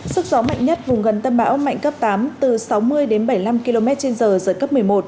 sức gió mạnh nhất vùng gần tâm bão mạnh cấp tám từ sáu mươi đến bảy mươi năm km trên giờ giật cấp một mươi một